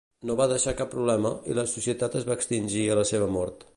No va deixar cap problema, i la societat es va extingir a la seva mort.